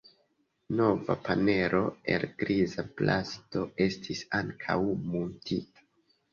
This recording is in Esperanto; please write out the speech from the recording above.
Nova panelo el griza plasto estis ankaŭ muntita.